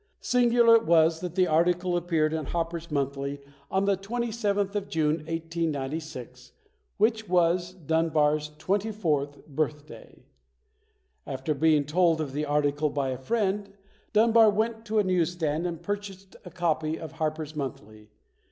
Singular it was that the article appeared in Harper's Monthly on the 27th of June, 1896, which was Dunbar's twenty fourth birthday. After being told of the article by a friend, Dunbar went to a newsstand and purchased a copy of Harper's Monthly.